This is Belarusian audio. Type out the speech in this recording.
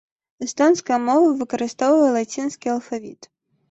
Эстонская мова выкарыстоўвае лацінскі алфавіт.